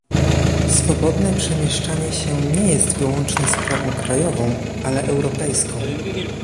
Swobodne przemieszczanie się nie jest wyłącznie sprawą krajową, ale europejską